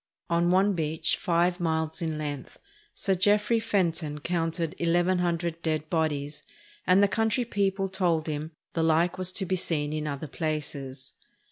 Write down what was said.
On one beach, five miles in length, Sir Jeffrey Fenton counted eleven hundred dead bodies, and the coimtry people told him "the like was to be seen in other places."